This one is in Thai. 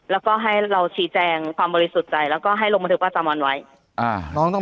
แล้วก็ให้เราชี้แจงความบริสุจัยแล้วก็ให้ลงบันทึกว่าจำออนไว้